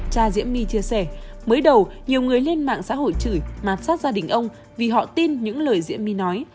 cha diễm my chia sẻ mới đầu nhiều người lên mạng xã hội chửi mạt sát gia đình ông vì họ tin những lời diễm my nói